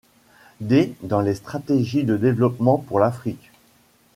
D dans les Stratégies de Développement pour l'Afrique.